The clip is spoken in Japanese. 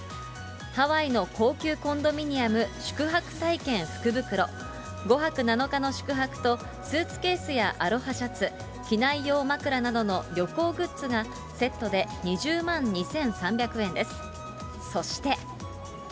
ハワイの高級コンドミニアム宿泊体験福袋、５泊７日の宿泊と、スーツケースやアロハシャツ、機内用枕などの旅行グッズがセットで２０万２３００円です。